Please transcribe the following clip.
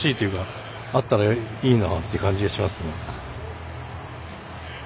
あったらいいなっていう感じがしますね。